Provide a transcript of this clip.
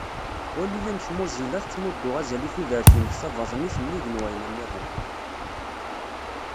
Wali amek Mozilla tettmuddu azal i tudert-inek tabaḍnit nnig n wayen-nniḍen.